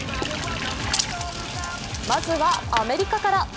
まずはアメリカから。